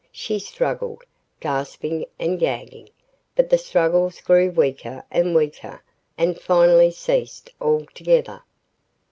She struggled, gasping and gagging, but the struggles grew weaker and weaker and finally ceased altogether.